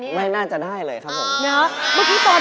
ลีกว่าได้เลี้ยงที่เหรอครับ